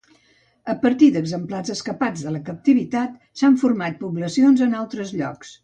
A partir d'exemplars escapats de la captivitat s'han format poblacions en altres llocs.